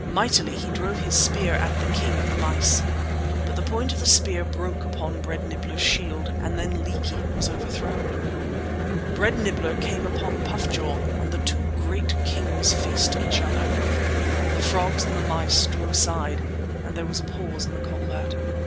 Mightily he drove his spear at the king of the mice. But the point of the spear broke upon Bread Nibbler's shield, and then Leeky was overthrown. Bread Nibbler came upon Puff jaw, and the two great kings faced each other. The frogs and the mice drew aside, and there was a pause in the combat.